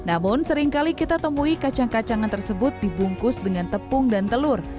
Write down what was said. namun seringkali kita temui kacang kacangan tersebut dibungkus dengan tepung dan telur